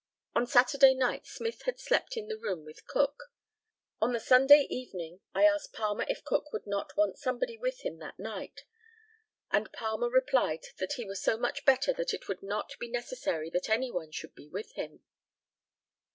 On Saturday night Smith had slept in the room with Cook. On the Sunday evening I asked Palmer if Cook would not want somebody with him that night, and Palmer replied that he was so much better, that it would not be necessary that any one should be with him.